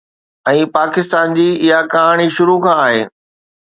۽ پاڪستان جي اها ڪهاڻي شروع کان آهي.